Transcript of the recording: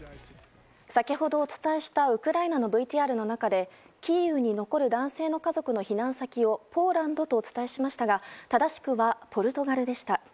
先ほどお伝えしたウクライナのＶＴＲの中でキーウに残る男性の家族の避難先をポーランドとお伝えしましたが正しくはポルトガルでした。